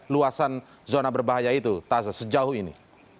luasan zona berbahaya itu taza sejauh ini